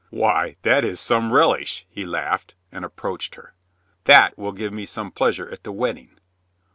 "Why, that is some relish," he laughed and ap proached her. "That will give me some pleasure at the wedding."